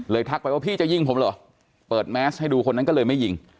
ทักไปว่าพี่จะยิงผมเหรอเปิดแมสให้ดูคนนั้นก็เลยไม่ยิง